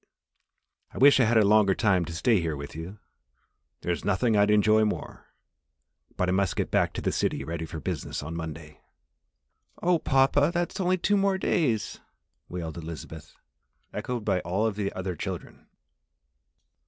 I wish I had a longer time to stay here with you there's nothing I'd enjoy more, but I must get back to the city ready for business on Monday." "Oh, papa! That's only two days more!" wailed Elizabeth, echoed by all of the other children.